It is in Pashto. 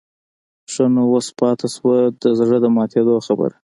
ښه نو اوس پاتې شوه د زړه د ماتېدو خبره.